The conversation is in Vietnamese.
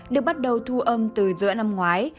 được bắt đầu thu âm từ giữa năm ngoái